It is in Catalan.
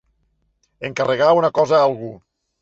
Encarregar una cosa a algú.